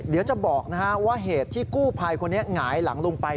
เดี๋ยวจะบอกว่าเหตุที่กู้ภัยคนนี้หงายหลังลงไป